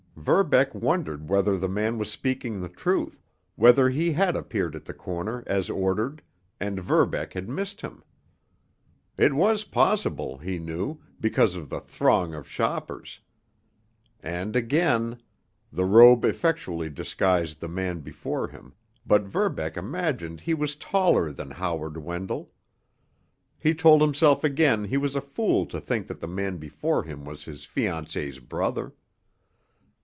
Verbeck wondered whether the man was speaking the truth, whether he had appeared at the corner, as ordered, and Verbeck had missed him. It was possible, he knew, because of the throng of shoppers. And, again—— The robe effectually disguised the man before him, but Verbeck imagined he was taller than Howard Wendell. He told himself again he was a fool to think that the man before him was his fiancée's brother.